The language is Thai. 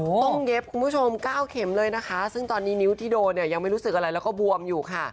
ต้องเย็บคุณผู้ชมเก้าเข็มเลยนะคะซึ่งตอนนี้นิ้วที่โดนเนี่ยยังไม่รู้สึกอะไรแล้วก็บวมอยู่ค่ะ